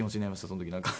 その時なんか。